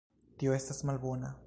Tio estas malbona